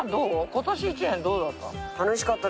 今年１年どうだった？